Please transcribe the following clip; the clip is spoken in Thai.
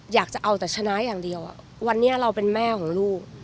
อยากจะเอาแต่ชนะอย่างเดียววันนี้เราเป็นแม่ของลูก